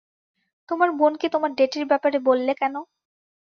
তোমার বোনকে তোমার ডেটের ব্যাপারে বললে কেন?